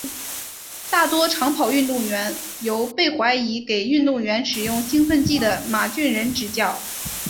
大多长跑运动员由被怀疑给运动员使用兴奋剂的马俊仁执教。